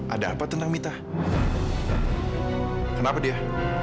ada apa tentang mita kenapa dia